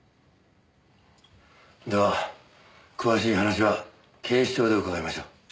では詳しい話は警視庁でうかがいましょう。